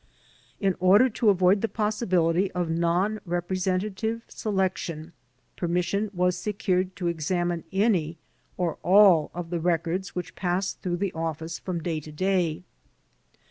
In order to avoid the possibility of a non representative selection, permission was secured to examine any or all of the records which passed through the office from day to day.